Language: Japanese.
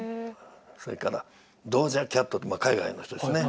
それからドージャ・キャットってまあ海外の人ですね。